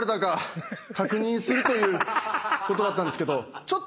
ということだったんですけど。